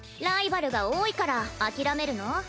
ライバルが多いから諦めるの？